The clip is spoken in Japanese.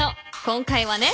今回はね